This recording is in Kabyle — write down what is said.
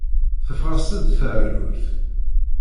Teffeɣ-as-d teɛrurt.